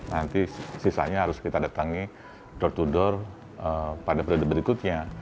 nanti sisanya harus kita datangi door to door pada periode berikutnya